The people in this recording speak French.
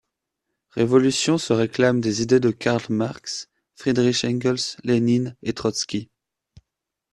Révolution se réclame des idées de Karl Marx, Friedrich Engels, Lénine et Trotsky.